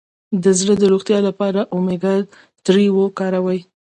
د زړه د روغتیا لپاره اومیګا تري وکاروئ